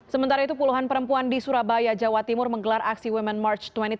sementara itu puluhan perempuan di surabaya jawa timur menggelar aksi women march dua ribu dua puluh